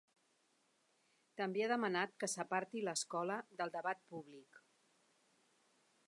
També ha demanat que s’aparti l’escola del debat públic.